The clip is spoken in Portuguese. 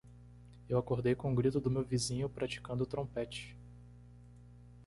Eu acordei com o grito do meu vizinho praticando trompete.